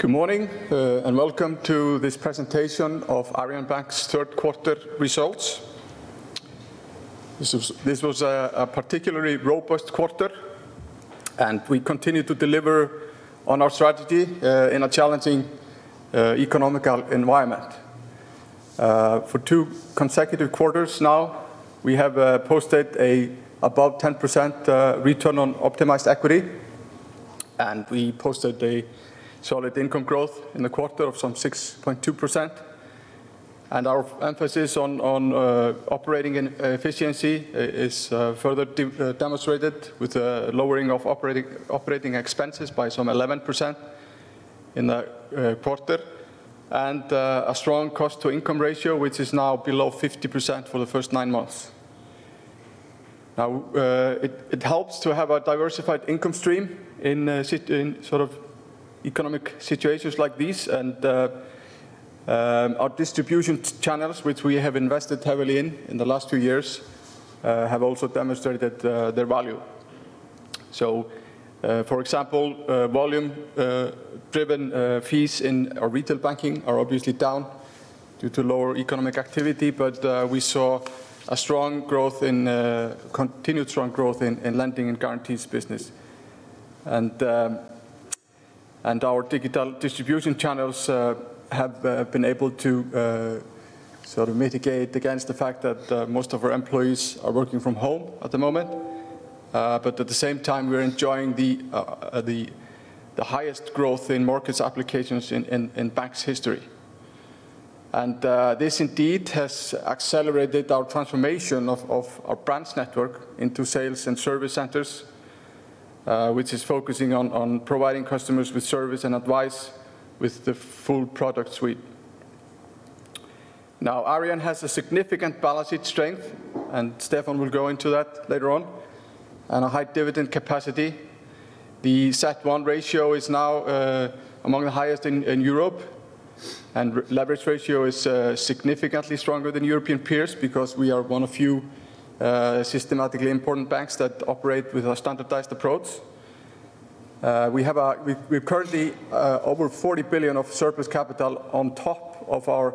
Good morning, welcome to this presentation of Arion Bank's Third Quarter Results. This was a particularly robust quarter, we continue to deliver on our strategy in a challenging economic environment. For two consecutive quarters now, we have posted above 10% return on optimized equity, we posted a solid income growth in the quarter of some 6.2%. Our emphasis on operating efficiency is further demonstrated with a lowering of operating expenses by some 11% in the quarter, a strong cost-to-income ratio, which is now below 50% for the first nine months. Now, it helps to have a diversified income stream in economic situations like these, our distribution channels, which we have invested heavily in the last two years, have also demonstrated their value. For example, volume-driven fees in our retail banking are obviously down due to lower economic activity, but we saw a continued strong growth in lending and guarantees business. Our digital distribution channels have been able to mitigate against the fact that most of our employees are working from home at the moment. At the same time, we're enjoying the highest growth in mortgage applications in Arion Bank's history. This indeed has accelerated our transformation of our branch network into sales and service centers, which is focusing on providing customers with service and advice with the full product suite. Arion has a significant balance sheet strength, and Stefán will go into that later on, and a high dividend capacity. The CET1 ratio is now among the highest in Europe. Leverage ratio is significantly stronger than European peers because we are one of few systematically important banks that operate with a standardized approach. We have currently over 40 billion of surplus capital on top of our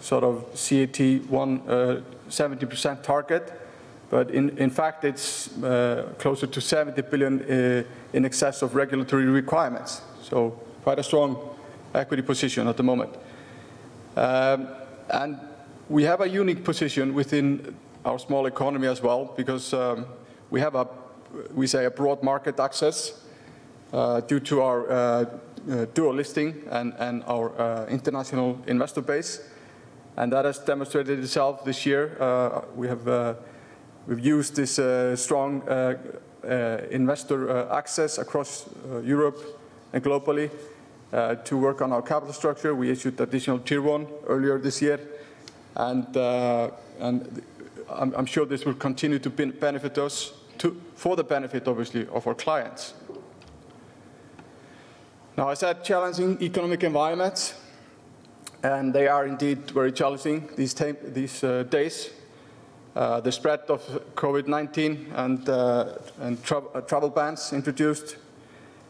CET1 70% target, but in fact, it's closer to 70 billion in excess of regulatory requirements. Quite a strong equity position at the moment. We have a unique position within our small economy as well because we have a, we say, a broad market access due to our dual listing and our international investor base. That has demonstrated itself this year. We've used this strong investor access across Europe and globally to work on our capital structure. We issued additional Tier 1 earlier this year. I'm sure this will continue to benefit us for the benefit, obviously, of our clients. Now, I said challenging economic environments. They are indeed very challenging these days. The spread of COVID-19 and travel bans introduced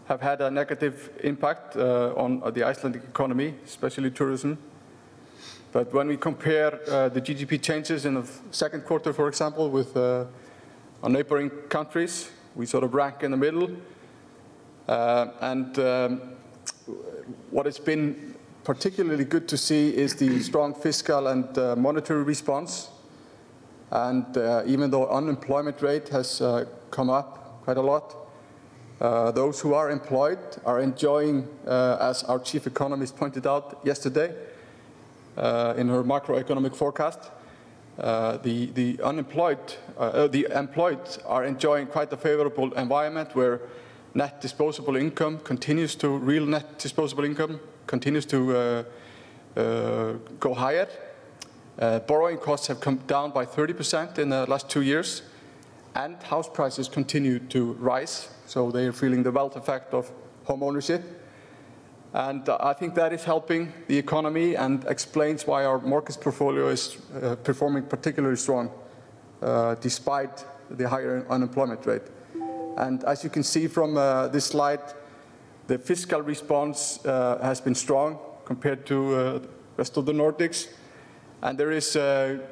have had a negative impact on the Icelandic economy, especially tourism. When we compare the GDP changes in the second quarter, for example, with our neighboring countries, we rank in the middle. What has been particularly good to see is the strong fiscal and monetary response. Even though unemployment rate has come up quite a lot, those who are employed are enjoying, as our chief economist pointed out yesterday in her macroeconomic forecast, the employed are enjoying quite a favorable environment where real net disposable income continues to go higher. Borrowing costs have come down by 30% in the last two years, and house prices continue to rise, so they are feeling the wealth effect of home ownership. I think that is helping the economy and explains why our markets portfolio is performing particularly strong despite the higher unemployment rate. As you can see from this slide, the fiscal response has been strong compared to rest of the Nordics, and there is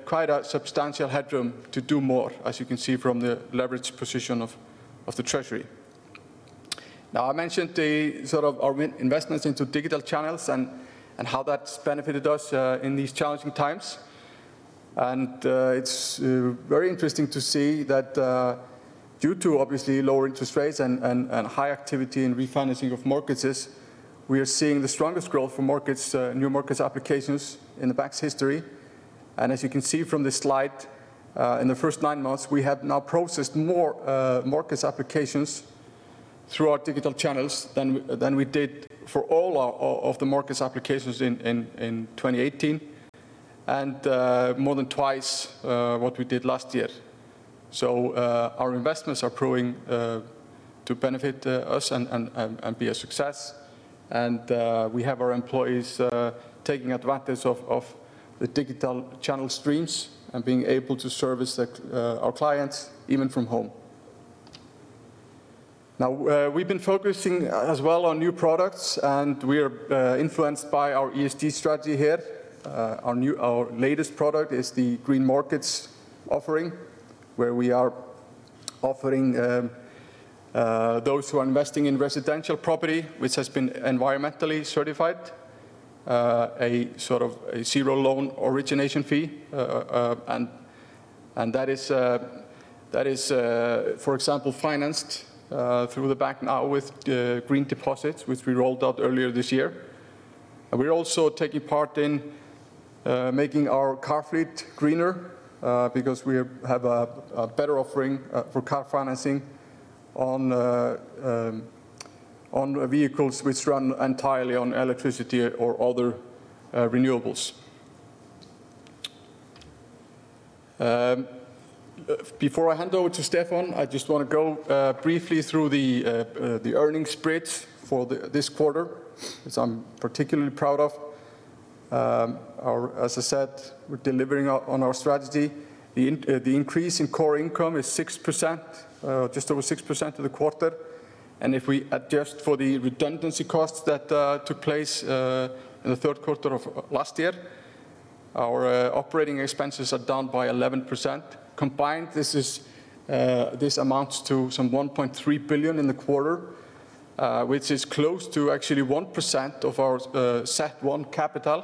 quite a substantial headroom to do more, as you can see from the leverage position of the Treasury. Now, I mentioned our investments into digital channels and how that's benefited us in these challenging times. It's very interesting to see that due to, obviously, lower interest rates and high activity in refinancing of mortgages, we are seeing the strongest growth for new markets applications in the Bank's history. As you can see from this slide, in the first nine months, we have now processed more mortgage applications through our digital channels than we did for all of the mortgage applications in 2018, and more than twice what we did last year. Our investments are proving to benefit us and be a success. We have our employees taking advantage of the digital channel streams and being able to service our clients even from home. We've been focusing as well on new products, and we are influenced by our ESG strategy here. Our latest product is the green mortgage offering, where we are offering those who are investing in residential property, which has been environmentally certified, a $0 loan origination fee. That is, for example, financed through Arion Bank now with Green Deposits, which we rolled out earlier this year. We're also taking part in making our car fleet greener because we have a better offering for car financing on vehicles which run entirely on electricity or other renewables. Before I hand over to Stefán, I just want to go briefly through the earnings bridge for this quarter, which I'm particularly proud of. As I said, we're delivering on our strategy. The increase in core income is just over 6% of the quarter. If we adjust for the redundancy costs that took place in the third quarter of last year, our operating expenses are down by 11%. Combined, this amounts to some 1.3 billion in the quarter, which is close to actually 1% of our CET1 capital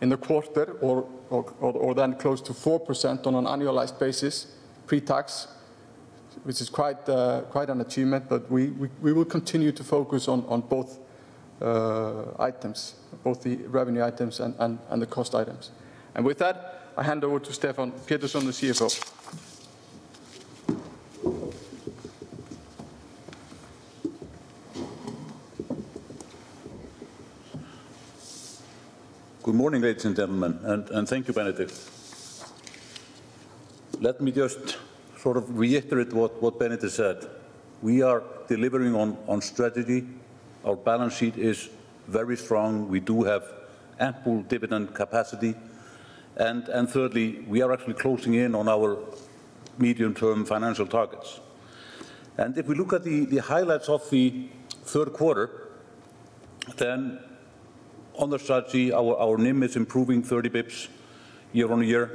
in the quarter or then close to 4% on an annualized basis pre-tax, which is quite an achievement. We will continue to focus on both items, both the revenue items and the cost items. With that, I hand over to Stefán Pétursson, the CFO. Good morning, ladies and gentlemen, thank you, Benedikt. Let me just reiterate what Benedikt said. We are delivering on strategy. Our balance sheet is very strong. We do have ample dividend capacity. Thirdly, we are actually closing in on our medium-term financial targets. If we look at the highlights of the third quarter, then on the strategy, our NIM is improving 30 bps year-on-year.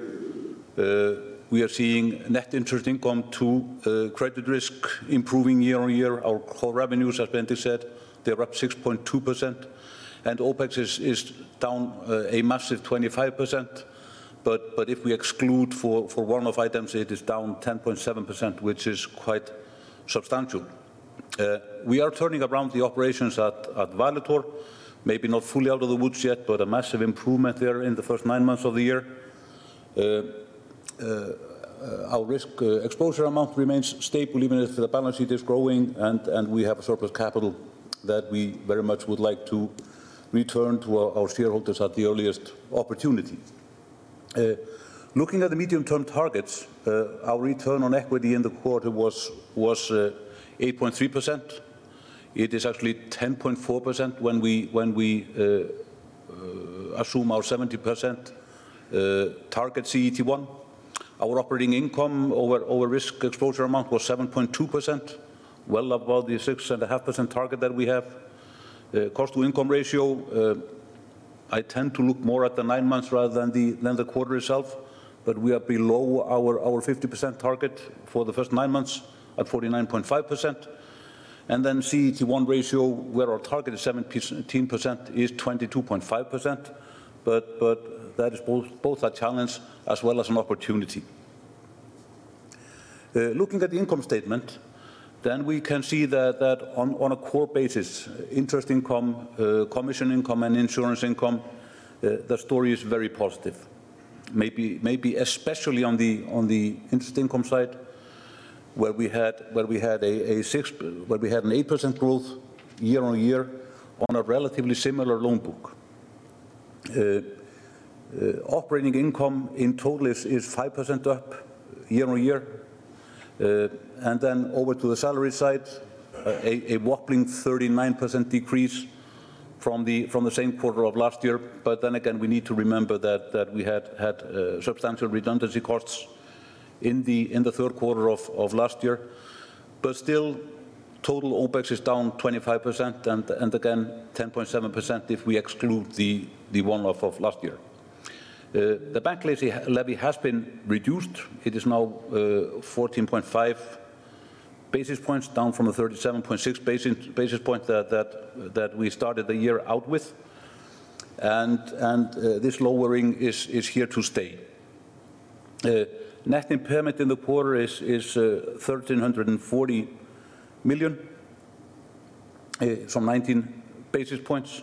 We are seeing net interest income to credit risk improving year-on-year. Our core revenues, as Benedikt said, they're up 6.2%, and OpEx is down a massive 25%. If we exclude for one-off items, it is down 10.7%, which is quite substantial. We are turning around the operations at Valitor, maybe not fully out of the woods yet, but a massive improvement there in the first nine months of the year. Our risk exposure amount remains stable even if the balance sheet is growing, and we have surplus capital that we very much would like to return to our shareholders at the earliest opportunity. Looking at the medium-term targets, our return on equity in the quarter was 8.3%. It is actually 10.4% when we assume our 70% target CET1. Our operating income over risk exposure amount was 7.2%, well above the 6.5% target that we have. Cost-to-income ratio, I tend to look more at the nine months rather than the quarter itself. We are below our 50% target for the first nine months at 49.5%. CET1 ratio, where our target is 17%, is 22.5%. That is both a challenge as well as an opportunity. Looking at the income statement, then we can see that on a core basis, interest income, commission income, and insurance income, the story is very positive. Maybe especially on the interest income side, where we had an 8% growth year-over-year on a relatively similar loan book. Operating income in total is 5% up year-over-year. Over to the salary side, a whopping 39% decrease from the same quarter of last year. We need to remember that we had substantial redundancy costs in the third quarter of last year. Still, total OpEx is down 25%, and again, 10.7% if we exclude the one-off of last year. The bank levy has been reduced. It is now 14.5 basis points down from the 37.6 basis points that we started the year out with. This lowering is here to stay. Net impairment in the quarter is 1,340 million from 19 basis points.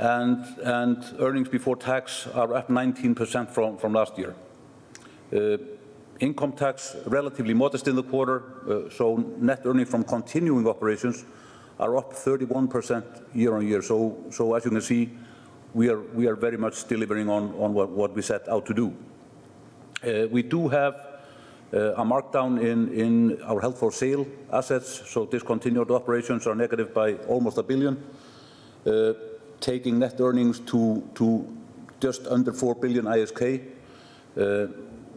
Earnings before tax are up 19% from last year. Income tax, relatively modest in the quarter. Net earnings from continuing operations are up 31% year on year. As you can see, we are very much delivering on what we set out to do. We do have a markdown in our held-for-sale assets, so discontinued operations are negative by almost 1 billion, taking net earnings to just under 4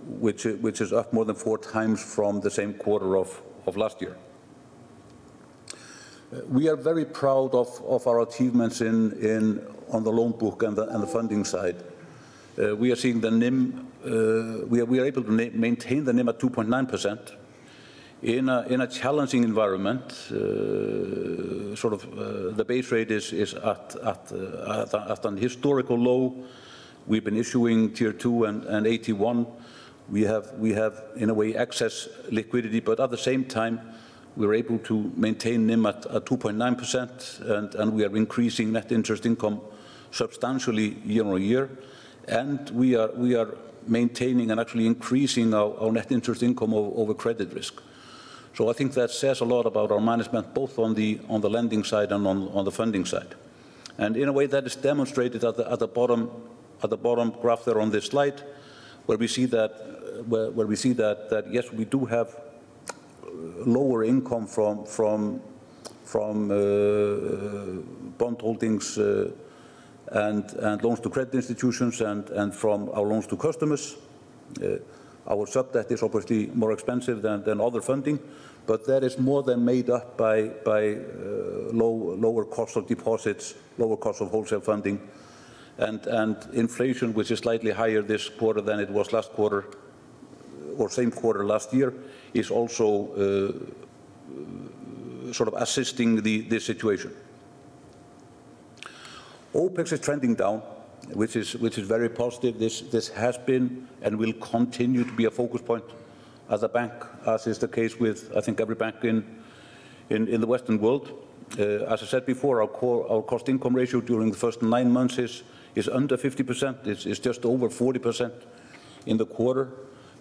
billion ISK, which is up more than four times from the same quarter of last year. We are very proud of our achievements on the loan book and the funding side. We are able to maintain the NIM at 2.9% in a challenging environment. The base rate is at an historical low. We've been issuing Tier 2 and AT1. We have, in a way, excess liquidity. At the same time, we're able to maintain NIM at 2.9%. We are increasing net interest income substantially year-on-year. We are maintaining and actually increasing our net interest income over credit risk. I think that says a lot about our management, both on the lending side and on the funding side. In a way, that is demonstrated at the bottom graph there on this slide, where we see that, yes, we do have lower income from bond holdings and loans to credit institutions and from our loans to customers. Our sub debt is obviously more expensive than other funding, but that is more than made up by lower cost of deposits, lower cost of wholesale funding. Inflation, which is slightly higher this quarter than it was last quarter or same quarter last year, is also assisting the situation. OpEx is trending down, which is very positive. This has been and will continue to be a focus point as a bank, as is the case with, I think, every bank in the Western world. As I said before, our cost-to-income ratio during the first nine months is under 50%. It's just over 40% in the quarter.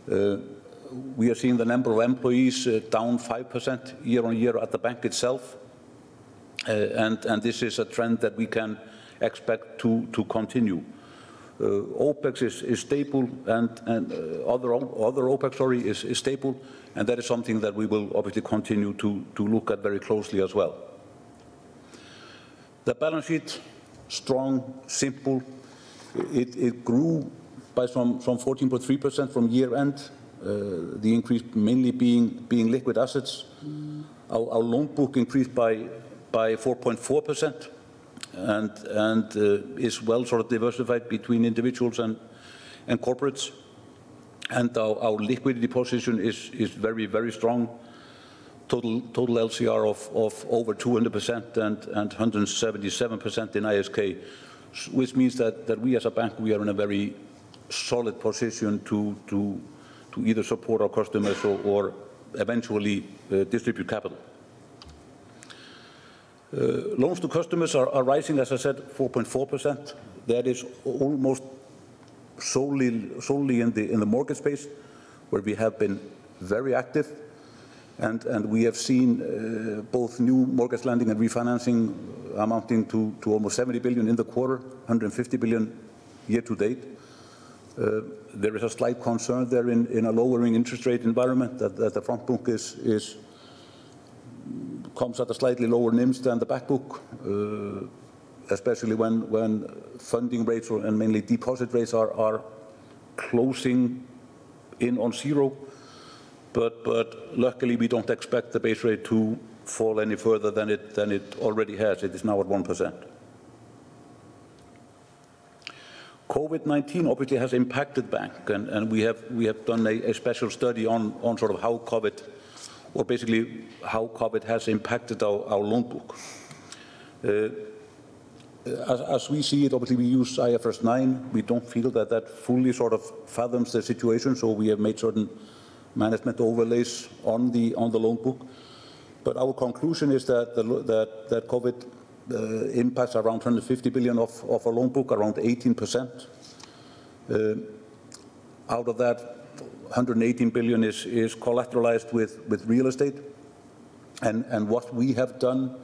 We are seeing the number of employees down 5% year on year at the bank itself. This is a trend that we can expect to continue. Other OpEx is stable, that is something that we will obviously continue to look at very closely as well. The balance sheet, strong, simple. It grew by 14.3% from year end, the increase mainly being liquid assets. Our loan book increased by 4.4% and is well diversified between individuals and corporates. Our liquidity position is very strong. Total LCR of over 200% and 177% in ISK, which means that we, as a bank, we are in a very solid position to either support our customers or eventually distribute capital. Loans to customers are rising, as I said, 4.4%. That is almost solely in the mortgage space, where we have been very active. We have seen both new mortgage lending and refinancing amounting to almost 70 billion in the quarter, 150 billion year to date. There is a slight concern there in a lowering interest rate environment that the front book comes at a slightly lower NIM than the back book, especially when funding rates and mainly deposit rates are closing in on zero. Luckily, we don't expect the base rate to fall any further than it already has. It is now at 1%. COVID-19 obviously has impacted bank. We have done a special study on how COVID has impacted our loan book. As we see it, obviously, we use IFRS 9. We don't feel that that fully fathoms the situation. We have made certain management overlays on the loan book. Our conclusion is that COVID impacts around 150 billion of our loan book, around 18%. Out of that, 118 billion is collateralized with real estate. What we have done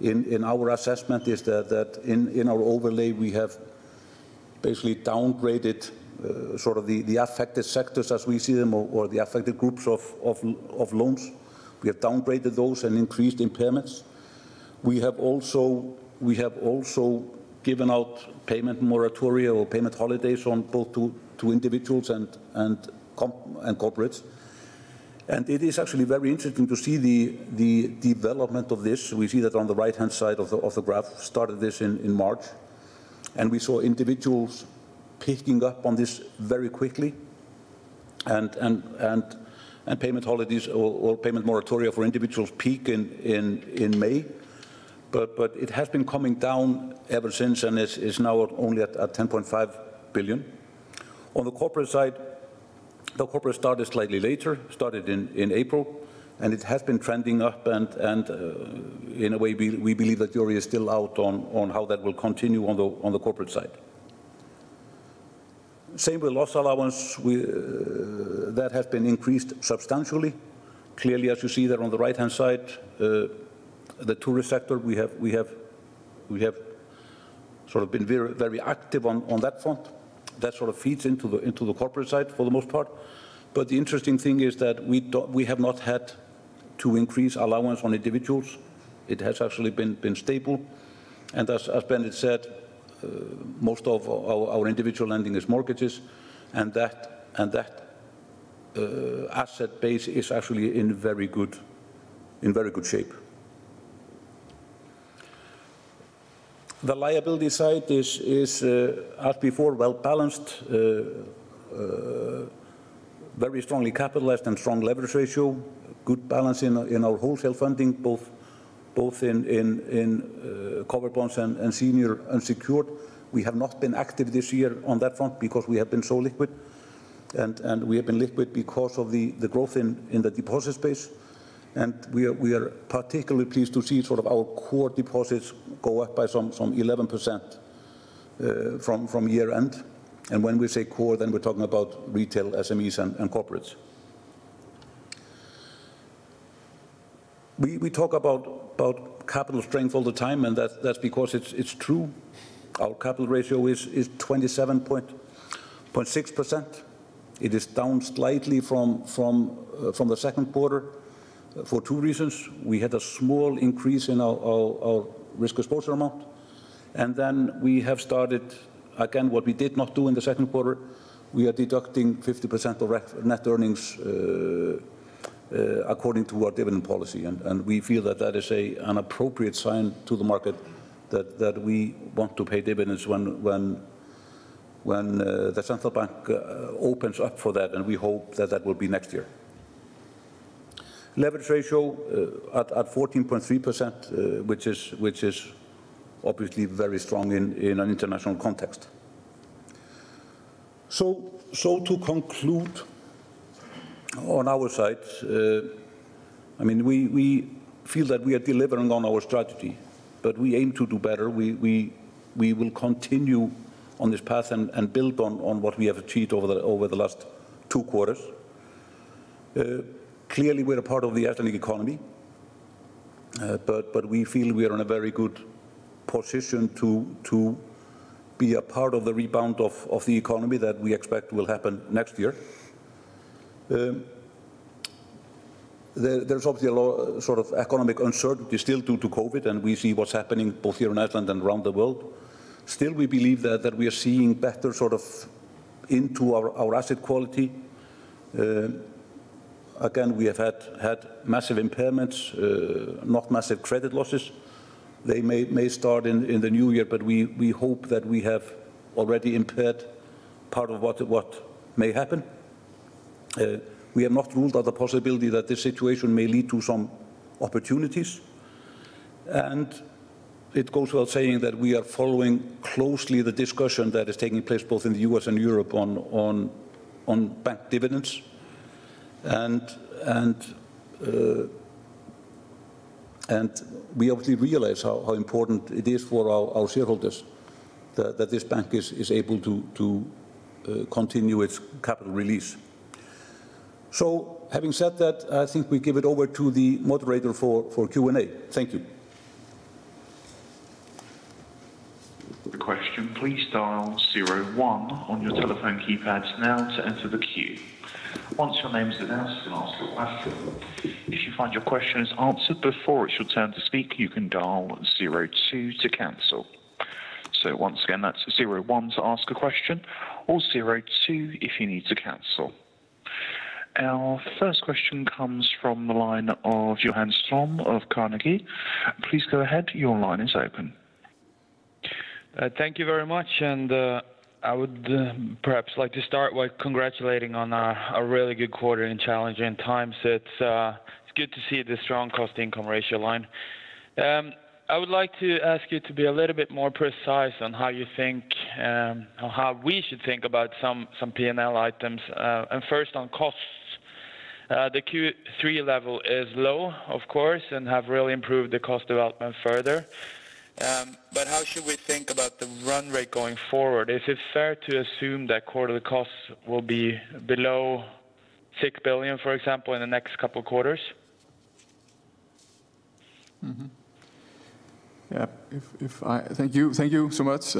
in our assessment is that in our overlay, we have basically downgraded the affected sectors as we see them or the affected groups of loans. We have downgraded those and increased impairments. We have also given out payment moratoria or payment holidays both to individuals and corporates. It is actually very interesting to see the development of this. We see that on the right-hand side of the graph, started this in March. We saw individuals picking up on this very quickly, and payment holidays or payment moratoria for individuals peak in May. It has been coming down ever since and is now only at 10.5 billion. On the corporate side, the corporate started slightly later, started in April, and it has been trending up, and in a way, we believe that jury is still out on how that will continue on the corporate side. Same with loss allowance. That has been increased substantially. Clearly, as you see there on the right-hand side, the tourist sector, we have sort of been very active on that front. That sort of feeds into the corporate side for the most part. The interesting thing is that we have not had to increase allowance on individuals. It has actually been stable. As Benedikt said, most of our individual lending is mortgages, and that asset base is actually in very good shape. The liability side is, as before, well-balanced, very strongly capitalized and strong leverage ratio, good balance in our wholesale funding, both in covered bonds and senior unsecured. We have not been active this year on that front because we have been so liquid, and we have been liquid because of the growth in the deposit space. We are particularly pleased to see our core deposits go up by some 11% from year-end. When we say core, then we're talking about retail, SMEs, and corporates. We talk about capital strength all the time, and that's because it's true. Our capital ratio is 27.6%. It is down slightly from the second quarter for two reasons. We had a small increase in our risk exposure amount, and then we have started, again, what we did not do in the second quarter, we are deducting 50% of net earnings according to our dividend policy. We feel that that is an appropriate sign to the market that we want to pay dividends when the Central Bank opens up for that and we hope that that will be next year. Leverage ratio at 14.3%, which is obviously very strong in an international context. To conclude on our side, we feel that we are delivering on our strategy, but we aim to do better. We will continue on this path and build on what we have achieved over the last two quarters. Clearly, we're a part of the Icelandic economy, but we feel we are in a very good position to be a part of the rebound of the economy that we expect will happen next year. There's obviously a lot of economic uncertainty still due to COVID, and we see what's happening both here in Iceland and around the world. Still, we believe that we are seeing better into our asset quality. Again, we have had massive impairments, not massive credit losses. They may start in the new year, but we hope that we have already impaired part of what may happen. We have not ruled out the possibility that this situation may lead to some opportunities. It goes without saying that we are following closely the discussion that is taking place both in the U.S. and Europe on bank dividends, and we obviously realize how important it is for our shareholders that this bank is able to continue its capital release. Having said that, I think we give it over to the moderator for Q&A. Thank you. Our first question comes from the line of Johan Ström of Carnegie. Please go ahead. Your line is open. Thank you very much. I would perhaps like to start by congratulating on a really good quarter in challenging times. It's good to see the strong cost-to-income ratio line. I would like to ask you to be a little bit more precise on how you think or how we should think about some P&L items. First on costs. The Q3 level is low, of course, and have really improved the cost development further. How should we think about the run rate going forward? Is it fair to assume that quarterly costs will be below 6 billion, for example, in the next couple of quarters? Yeah. Thank you so much.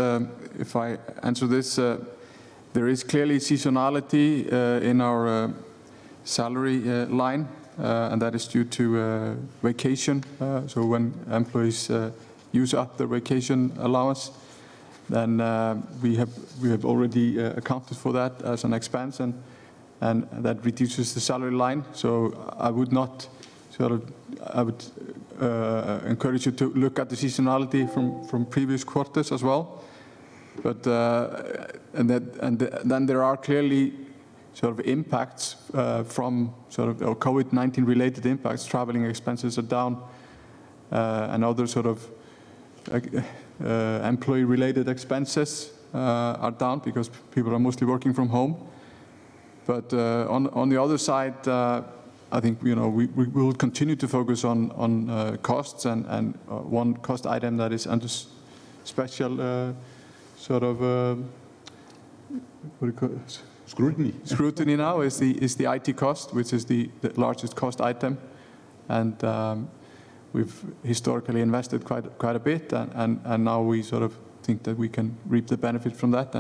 If I answer this, there is clearly seasonality in our salary line, and that is due to vacation. When employees use up their vacation allowance, then we have already accounted for that as an expense and that reduces the salary line. I would encourage you to look at the seasonality from previous quarters as well. There are clearly COVID-19 related impacts, traveling expenses are down, and other employee-related expenses are down because people are mostly working from home. On the other side, I think we will continue to focus on costs and one cost item that is under special sort of- Scrutiny. -scrutiny now is the IT cost, which is the largest cost item. We've historically invested quite a bit, and now we think that we can reap the benefit from that.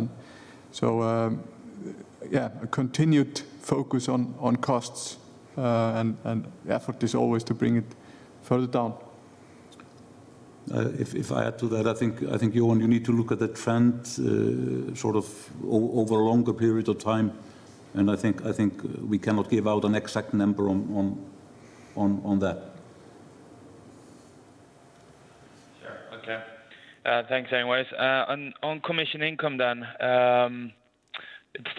Yeah, a continued focus on costs and effort is always to bring it further down. If I add to that, I think, Johan, you need to look at the trend over a longer period of time, and I think we cannot give out an exact number on that. Sure. Okay. Thanks anyways. On commission income, it's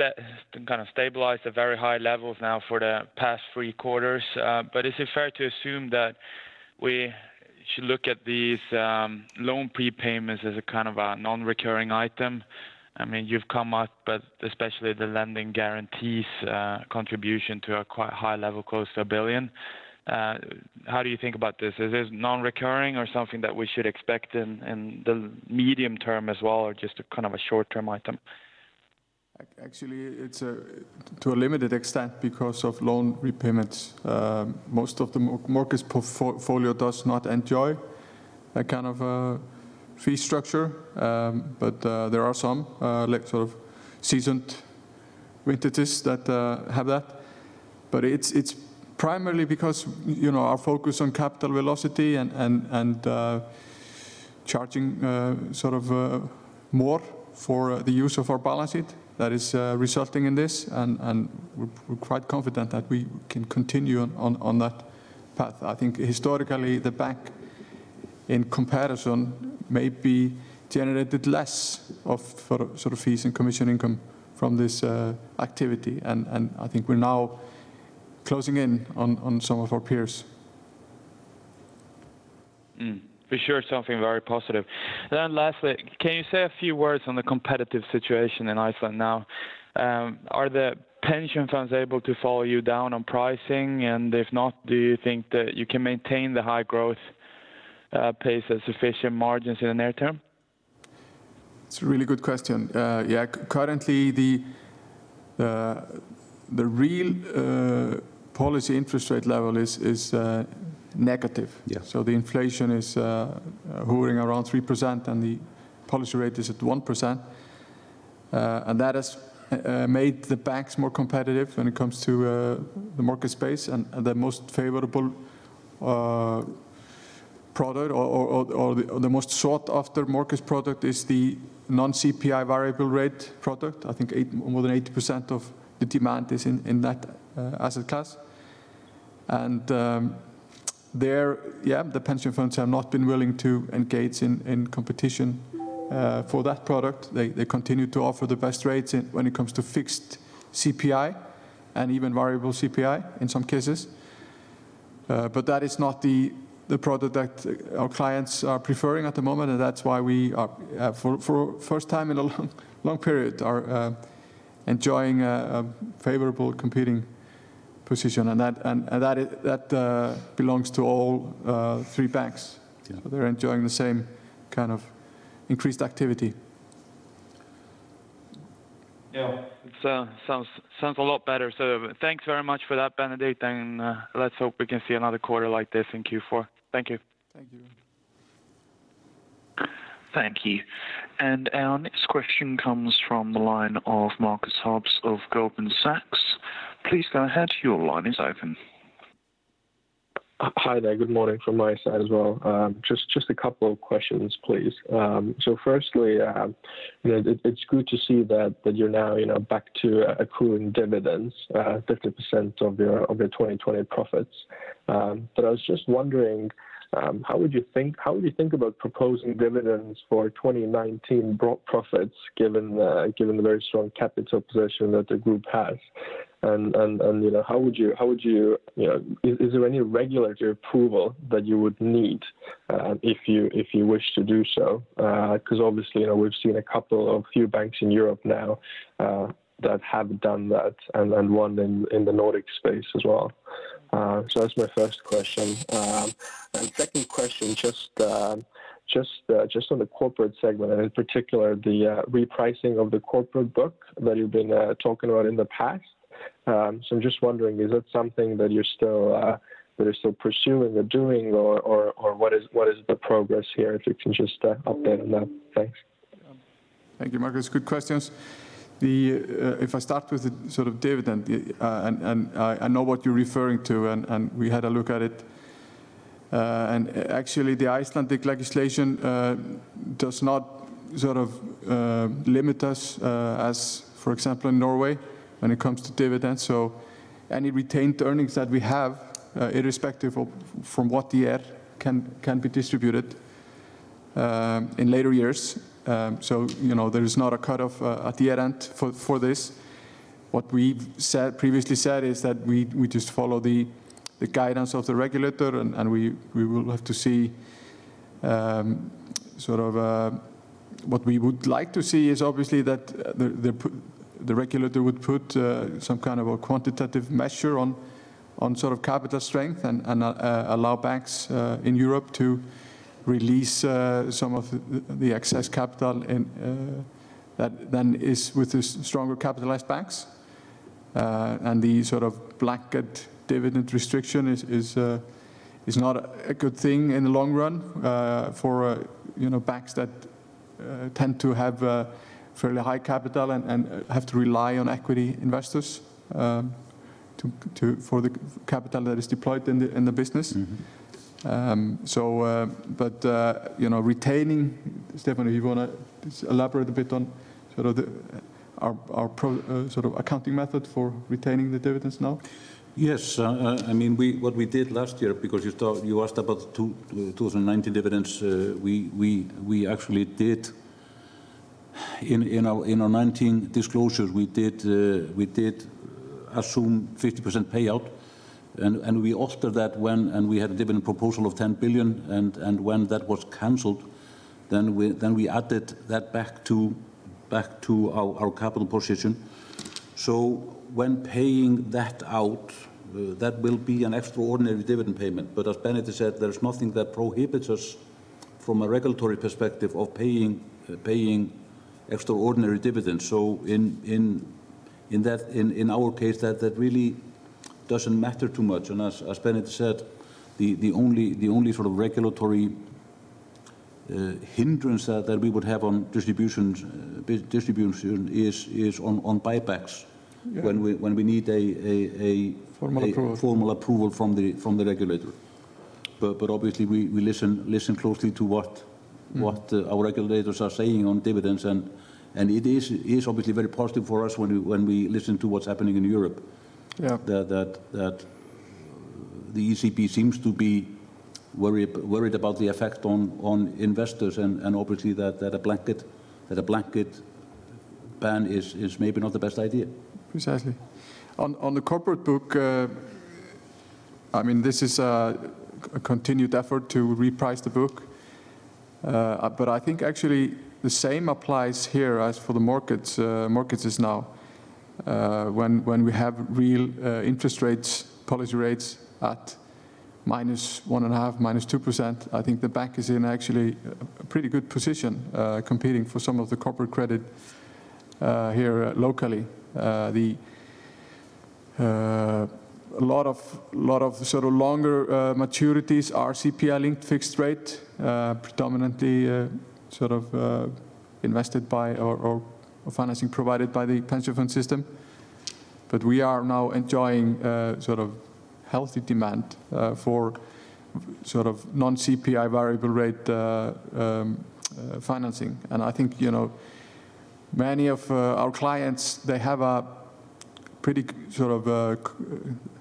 been kind of stabilized at very high levels now for the past three quarters. Is it fair to assume that we should look at these loan prepayments as a non-recurring item? You've come up, especially the lending guarantees contribution to a quite high level, close to 1 billion. How do you think about this? Is this non-recurring or something that we should expect in the medium term as well, or just a short-term item? Actually, it's to a limited extent because of loan repayments. Most of the mortgage portfolio does not enjoy a kind of a fee structure. There are some sort of seasoned vintages that have that. It's primarily because our focus on capital velocity and charging more for the use of our balance sheet that is resulting in this, and we're quite confident that we can continue on that path. I think historically the bank, in comparison, may be generated less of fees and commission income from this activity. I think we're now closing in on some of our peers. For sure, something very positive. Lastly, can you say a few words on the competitive situation in Iceland now? Are the pension funds able to follow you down on pricing? If not, do you think that you can maintain the high growth pace at sufficient margins in the near term? It's a really good question. Yeah, currently the real policy interest rate level is negative. Yeah. The inflation is hovering around 3% and the policy rate is at 1%. That has made the banks more competitive when it comes to the mortgage space and the most favorable product or the most sought-after mortgage product is the non-CPI variable rate product. I think more than 80% of the demand is in that asset class. There, yeah, the pension funds have not been willing to engage in competition for that product. They continue to offer the best rates when it comes to fixed CPI and even variable CPI in some cases. That is not the product that our clients are preferring at the moment, and that's why we are, for first time in a long period, are enjoying a favorable competing position. That belongs to all three banks. Yeah. They're enjoying the same kind of increased activity. Yeah. It sounds a lot better. Thanks very much for that, Benedikt, and let's hope we can see another quarter like this in Q4. Thank you. Thank you. Thank you. Our next question comes from the line of Marcus Hobbs of Goldman Sachs. Please go ahead. Your line is open. Hi there. Good morning from my side as well. Just a couple of questions, please. Firstly, it's good to see that you're now back to accruing dividends, 50% of your 2020 profits. I was just wondering, how would you think about proposing dividends for 2019 profits given the very strong capital position that the group has? Is there any regulatory approval that you would need if you wish to do so? Obviously, we've seen a couple of few banks in Europe now that have done that, and one in the Nordic space as well. That's my first question. Second question, just on the corporate segment, and in particular, the repricing of the corporate book that you've been talking about in the past. I'm just wondering, is that something that you're still pursuing or doing, or what is the progress here, if you can just update on that? Thanks. Thank you, Marcus. Good questions. If I start with the dividend, and I know what you're referring to, and we had a look at it. Actually, the Icelandic legislation does not limit us as, for example, in Norway when it comes to dividends. Any retained earnings that we have, irrespective from what the year can be distributed in later years. There is not a cut-off at the end for this. What we've previously said is that we just follow the guidance of the regulator, and we will have to see. What we would like to see is obviously that the regulator would put some kind of a quantitative measure on capital strength and allow banks in Europe to release some of the excess capital that then is with the stronger capitalized banks. The blanket dividend restriction is not a good thing in the long run for banks that tend to have fairly high capital and have to rely on equity investors for the capital that is deployed in the business. Retaining, Stefán, you want to elaborate a bit on our accounting method for retaining the dividends now? Yes. What we did last year, because you asked about the 2019 dividends, we actually did in our 2019 disclosures, we did assume 50% payout and we altered that when we had a dividend proposal of 10 billion and when that was cancelled, then we added that back to our capital position. When paying that out, that will be an extraordinary dividend payment. As Benedikt said, there's nothing that prohibits us from a regulatory perspective of paying extraordinary dividends. In our case, that really doesn't matter too much. As Benedikt said, the only regulatory hindrance that we would have on distribution is on buybacks- Formal approval -a formal approval from the regulator. Obviously we listen closely to what our regulators are saying on dividends and it is obviously very positive for us when we listen to what's happening in Europe. Yeah. The ECB seems to be worried about the effect on investors and obviously that a blanket ban is maybe not the best idea. Precisely. On the corporate book, this is a continued effort to reprice the book. I think actually the same applies here as for the mortgage is now when we have real interest rates, policy rates at -1.5%, -2%, I think the bank is in actually a pretty good position competing for some of the corporate credit here locally. A lot of the longer maturities are CPI-linked fixed rate, predominantly invested by or financing provided by the pension fund system. We are now enjoying healthy demand for non-CPI variable rate financing. I think many of our clients,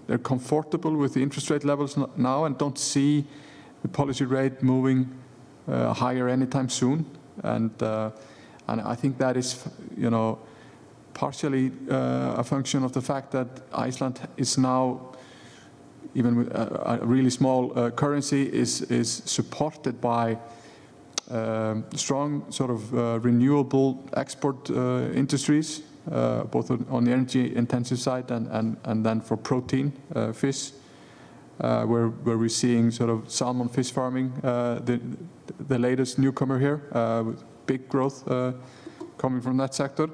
they're comfortable with the interest rate levels now and don't see the policy rate moving higher anytime soon. I think that is partially a function of the fact that Iceland is now even with a really small currency, is supported by strong renewable export industries both on the energy intensive side and then for protein fish where we're seeing salmon fish farming the latest newcomer here with big growth coming from that sector.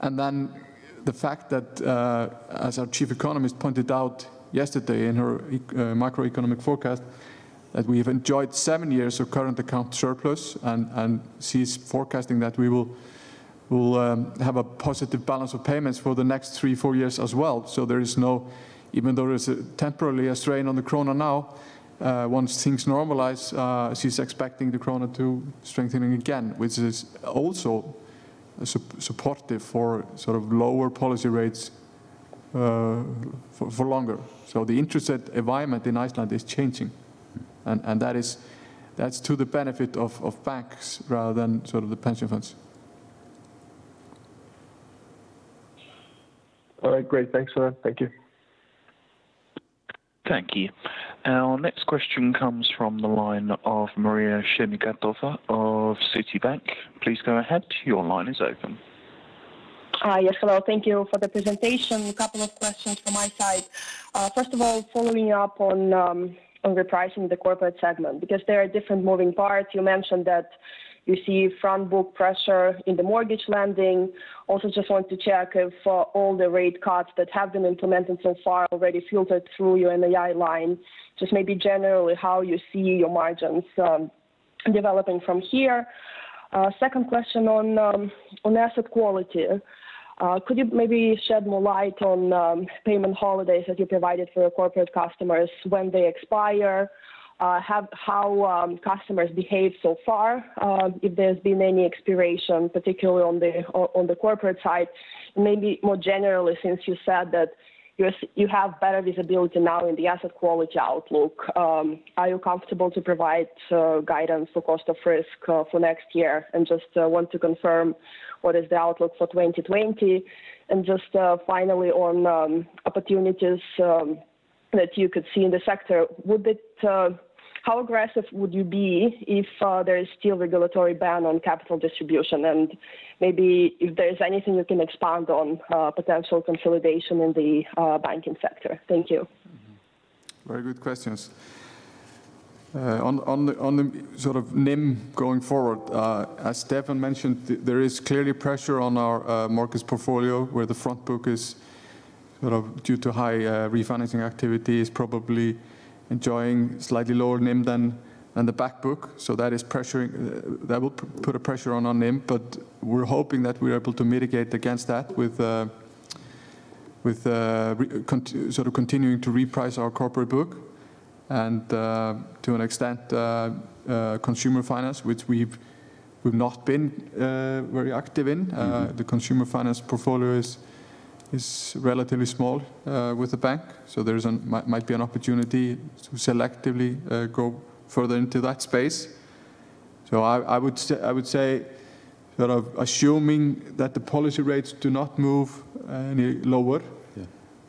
The fact that as our chief economist pointed out yesterday in her macroeconomic forecast, that we've enjoyed seven years of current account surplus and she's forecasting that we'll have a positive balance of payments for the next three, four years as well. Even though there's temporarily a strain on the krona now once things normalize she's expecting the krona to strengthening again, which is also supportive for lower policy rates for longer. The interest rate environment in Iceland is changing and that's to the benefit of banks rather than the pension funds. All right, great. Thanks for that. Thank you. Thank you. Our next question comes from the line of Maria Semikhatova of Citibank. Please go ahead, your line is open. Yes. Hello. Thank you for the presentation. A couple of questions from my side. First of all, following up on repricing the corporate segment because there are different moving parts. You mentioned that you see front book pressure in the mortgage lending. Just want to check if all the rate cuts that have been implemented so far already filtered through your NII line, just maybe generally how you see your margins developing from here. Second question on asset quality. Could you maybe shed more light on payment holidays that you provided for your corporate customers when they expire how customers behave so far if there's been any expiration particularly on the corporate side? Maybe more generally since you said that you have better visibility now in the asset quality outlook, are you comfortable to provide guidance for cost of risk for next year? Just want to confirm what is the outlook for 2020. Just finally on opportunities that you could see in the sector, how aggressive would you be if there is still regulatory ban on capital distribution? Maybe if there's anything you can expand on potential consolidation in the banking sector. Thank you. Very good questions. On the NIM going forward, as Stefán mentioned, there is clearly pressure on our mortgage portfolio where the front book is due to high refinancing activity, is probably enjoying slightly lower NIM than the back book. That will put a pressure on our NIM, but we're hoping that we're able to mitigate against that with continuing to reprice our corporate book and, to an extent, consumer finance, which we've not been very active in. The consumer finance portfolio is relatively small with the bank, there might be an opportunity to selectively go further into that space. I would say, assuming that the policy rates do not move any lower- Yeah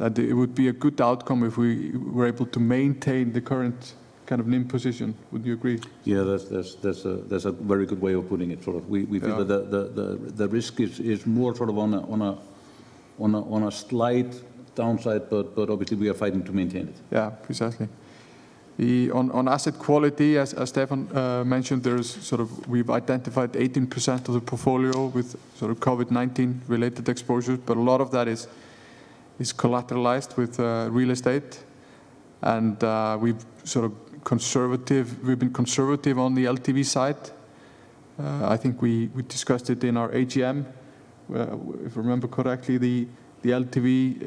-that it would be a good outcome if we were able to maintain the current kind of NIM position. Would you agree? Yeah, that's a very good way of putting it. Yeah. We believe that the risk is more on a slight downside, but obviously we are fighting to maintain it. Yeah, precisely. On asset quality, as Stefán mentioned, we've identified 18% of the portfolio with COVID-19 related exposures, but a lot of that is collateralized with real estate. We've been conservative on the LTV side. I think we discussed it in our AGM. If I remember correctly, the LTV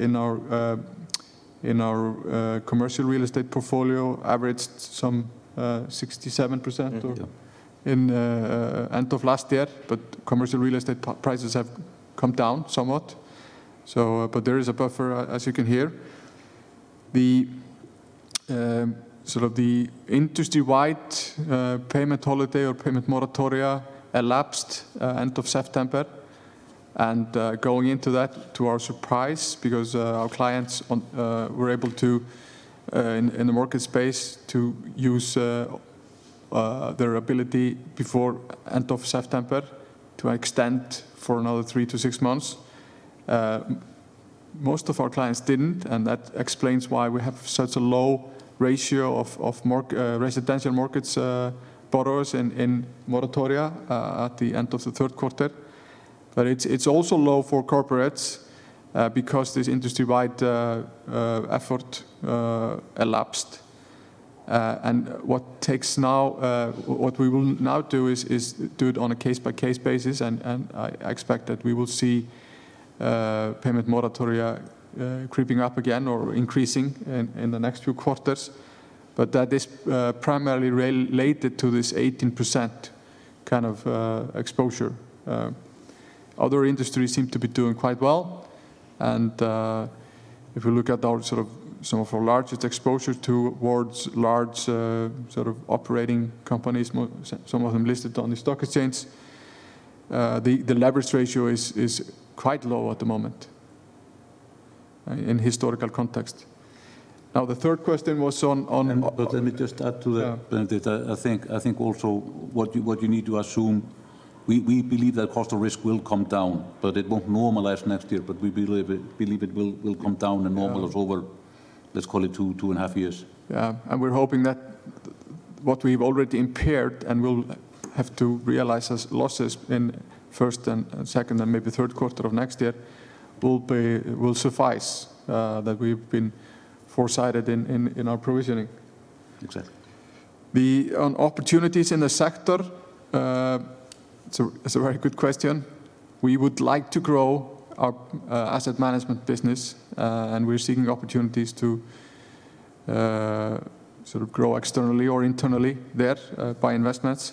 in our commercial real estate portfolio averaged some 67%. Yeah in end of last year, but commercial real estate prices have come down somewhat. There is a buffer, as you can hear. The industry-wide payment holiday or payment moratoria elapsed end of September. Going into that, to our surprise, because our clients were able to, in the market space, to use their ability before end of September to extend for another three - six months. Most of our clients didn't, and that explains why we have such a low ratio of residential mortgage borrowers in moratoria at the end of the third quarter. It's also low for corporates because this industry-wide effort elapsed. What we will now do is do it on a case-by-case basis, and I expect that we will see payment moratoria creeping up again or increasing in the next few quarters, but that is primarily related to this 18% kind of exposure. Other industries seem to be doing quite well, and if you look at some of our largest exposure towards large operating companies, some of them listed on the stock exchange, the leverage ratio is quite low at the moment in historical context. Let me just add to that, Benedikt. Yeah. I think also what you need to assume, we believe that cost of risk will come down, but it won't normalize next year, but we believe it will come down and normalize over, let's call it two and a half years. Yeah, we're hoping that what we've already impaired and will have to realize as losses in first and second and maybe third quarter of next year will suffice, that we've been foresighted in our provisioning. Exactly. On opportunities in the sector, it's a very good question. We would like to grow our asset management business. We're seeking opportunities to grow externally or internally there by investments.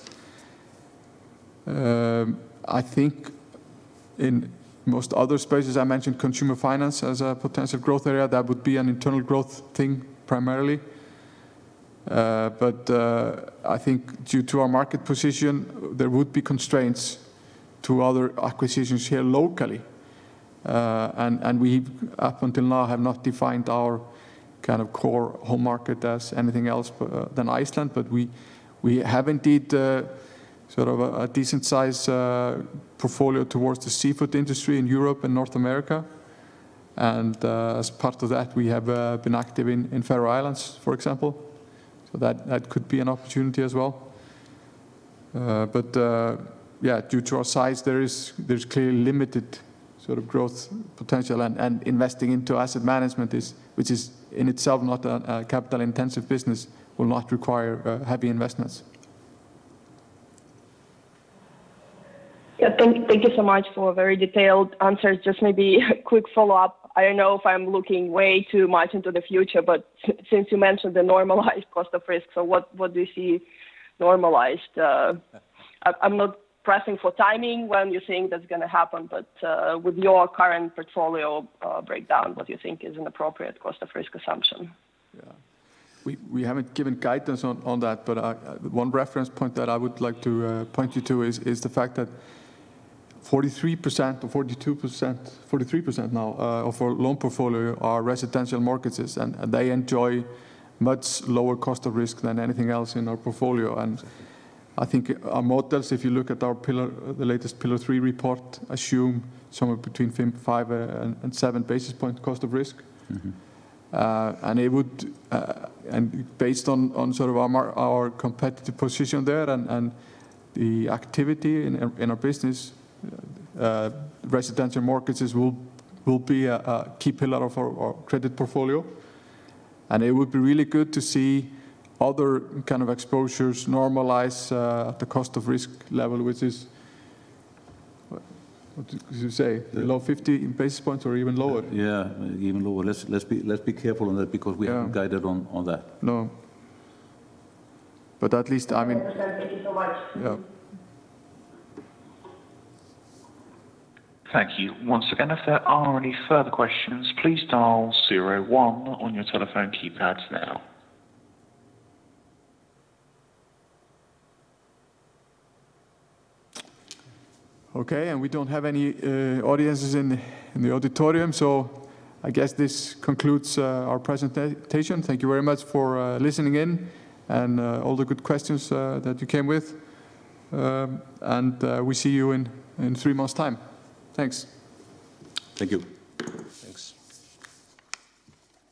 I think in most other spaces, I mentioned consumer finance as a potential growth area. That would be an internal growth thing primarily. I think due to our market position, there would be constraints to other acquisitions here locally. We, up until now, have not defined our core home market as anything else other than Iceland. We have indeed a decent size portfolio towards the seafood industry in Europe and North America. As part of that, we have been active in Faroe Islands, for example. That could be an opportunity as well. Yeah, due to our size, there's clearly limited growth potential, and investing into asset management, which is in itself not a capital-intensive business, will not require heavy investments. Yeah. Thank you so much for very detailed answers. Just maybe a quick follow-up. I don't know if I'm looking way too much into the future, but since you mentioned the normalized cost of risk, so what do you see normalized? I'm not pressing for timing when you think that's going to happen, but with your current portfolio breakdown, what do you think is an appropriate cost of risk assumption? We haven't given guidance on that, but one reference point that I would like to point you to is the fact that 43%, or 42%, 43% now of our loan portfolio are residential mortgages, and they enjoy much lower cost of risk than anything else in our portfolio. I think our models, if you look at the latest Pillar 3 report, assume somewhere between 5 and 7 basis point cost of risk. Based on our competitive position there and the activity in our business, residential mortgages will be a key pillar of our credit portfolio, and it would be really good to see other kind of exposures normalize at the cost of risk level, which is, what did you say? Below 50 basis points or even lower? Yeah. Even lower. Let's be careful on that because we haven't guided on that. No. At least, I mean. Okay. Thank you so much. Yeah. Thank you. Once again, if there are any further questions, please dial 01 on your telephone keypads now. Okay. We don't have any audiences in the auditorium, so I guess this concludes our presentation. Thank you very much for listening in and all the good questions that you came with. We'll see you in three months' time. Thanks. Thank you. Thanks.